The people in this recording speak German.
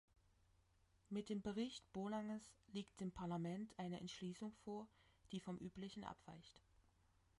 Mit dem Bericht Bourlanges liegt dem Parlament eine Entschließung vor, die vom üblichen abweicht.